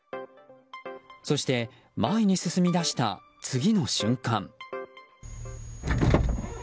そして前に進み出した次の瞬間。